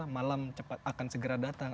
malam akan segera datang